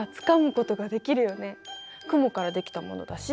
雲からできたものだし。